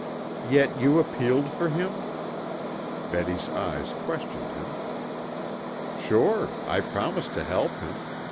"Yet you appealed for him?" Betty's eyes questioned him. "Sure, I promised to help him.